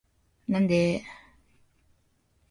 なんでーーー